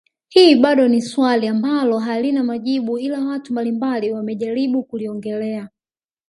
Hili bado ni swali ambalo halina majibu ila watu mbalimbali wamejaribu kuliongelea